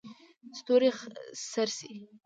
ستوري څرڅي.